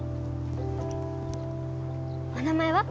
お名前は？